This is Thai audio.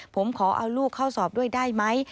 ผมขอเอาลูกเข้าสอบด้วยได้ไหม